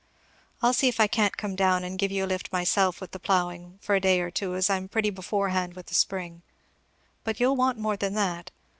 I'll see if I can't come down and give you a lift myself with the ploughing, for a day or two, as I'm pretty beforehand with the spring, but you'll want more than that.